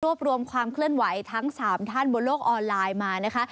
รวมความเคลื่อนไหวทั้ง๓ท่านบนโลกออนไลน์มานะคะ